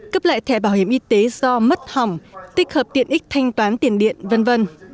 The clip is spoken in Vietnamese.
cấp lại thẻ bảo hiểm y tế do mất hỏng tích hợp tiện ích thanh toán tiền điện v v